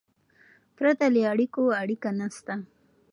پرته له اړیکو، اړیکه نسته.